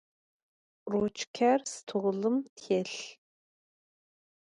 Ruçker stolım têlh.